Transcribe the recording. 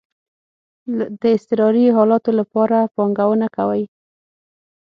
د اضطراری حالاتو لپاره پانګونه کوئ؟